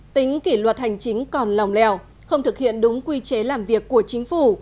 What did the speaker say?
tính kỷ luật hành chính còn lòng lèo không thực hiện đúng quy chế làm việc của chính phủ